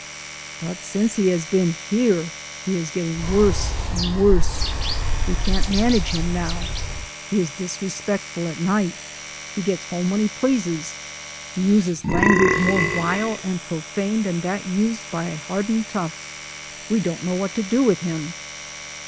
But since he has been here he is getting worse and worse. We can't man age him now. He is disrespectful at night, he gets home when he pleases, he uses language more vile and profane than that used by a hardened tough. We don't know what to do with him.